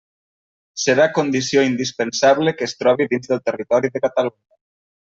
Serà condició indispensable que es trobi dins del territori de Catalunya.